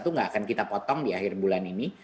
itu nggak akan kita potong di akhir bulan ini